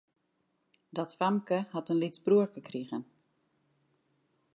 Dat famke hat in lyts bruorke krigen.